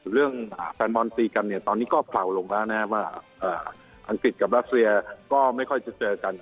แฟนบอลตีกันเนี่ยตอนนี้ก็เผาลงแล้วนะครับว่าอังกฤษกับรัสเซียก็ไม่ค่อยจะเจอกัน